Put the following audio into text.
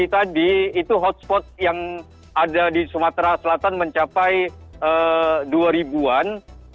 lagi tadi itu hotspot yang ada di sumatera selatan mencapai dua ribuan